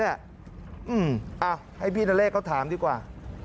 อ่าให้พี่นาเบียบเขาถามดีกว่า